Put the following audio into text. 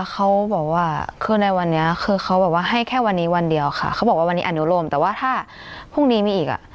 เขาบอกว่าวันนี้อนุโรมแต่ว่าถ้าพรุ่งนี้มีอีกอะ